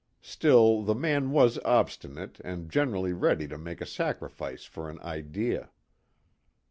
Still, the man was obstinate and generally ready to make a sacrifice for an idea.